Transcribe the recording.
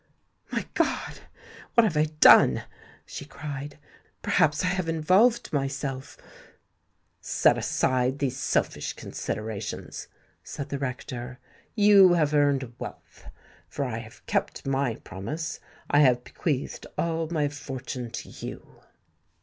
"My God, what have I done?" she cried; "perhaps I have involved myself——" "Set aside these selfish considerations," said the rector; "you have earned wealth—for I have kept my promise—I have bequeathed all my fortune to you."